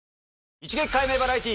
一撃解明バラエティ。